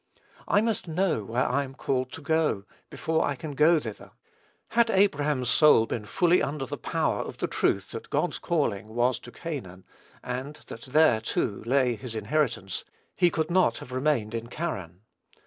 I must know where I am called to go, before I can go thither. Had Abraham's soul been fully under the power of the truth that "God's calling" was to Canaan, and that there, too, lay "his inheritance," he could not have remained in Charran.